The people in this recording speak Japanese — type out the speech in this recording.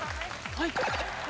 はい。